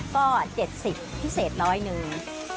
ก็๗๐พิเศษร้อยหนึ่ง